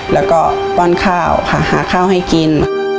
แล้วก็ป้อนข้าวค่ะหาข้าวให้กิน